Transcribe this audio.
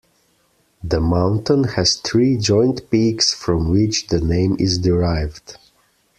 The mountain has three joint peaks from which the name is derived.